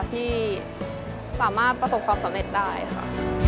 ที่สามารถประสบความสำเร็จได้ค่ะ